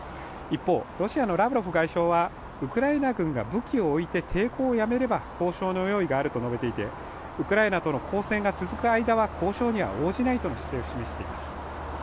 一方、ロシアのラブロフ外相はウクライナ軍が武器を置いて抵抗をやめれば交渉の用意があると述べていてウクライナとの交戦が続く間は交渉には応じないとの姿勢を示しています。